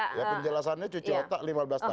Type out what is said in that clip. ya penjelasannya cuci otak lima belas tahun